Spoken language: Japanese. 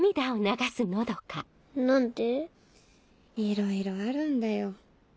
いろいろあるんだよ。